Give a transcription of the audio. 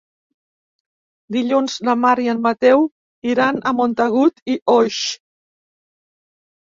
Dilluns na Mar i en Mateu iran a Montagut i Oix.